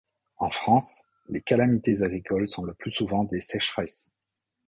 En France, les calamités agricoles sont le plus souvent des sécheresses.